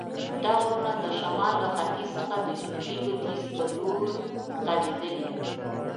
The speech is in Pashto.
دا غرونه د شمال له ختیځ څخه د جنوب لویدیځ په لور غزیدلي.